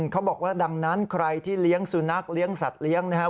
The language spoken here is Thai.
เขาบอกว่าดังนั้นใครที่เลี้ยงสุนัขเลี้ยงสัตว์เลี้ยงนะครับ